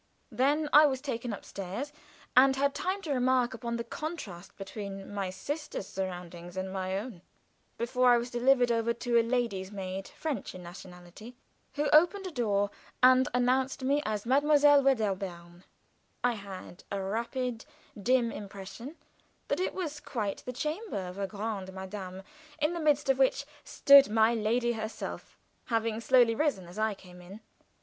Then I was taken upstairs, and had time to remark upon the contrast between my sister's surroundings and my own, before I was delivered over to a lady's maid French in nationality who opened a door and announced me as Mlle. Veddairebairne. I had a rapid, dim impression that it was quite the chamber of a grande dame, in the midst of which stood my lady herself, having slowly risen as I came in.